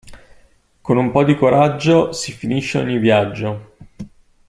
Con un po' di coraggio si finisce ogni viaggio.